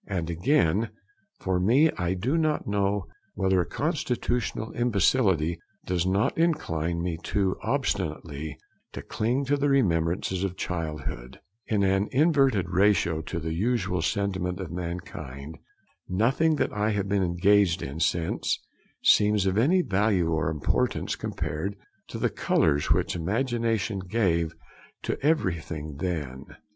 And again: 'For me, I do not know whether a constitutional imbecility does not incline me too obstinately to cling to the remembrances of childhood; in an inverted ratio to the usual sentiment of mankind, nothing that I have been engaged in since seems of any value or importance compared to the colours which imagination gave to everything then.'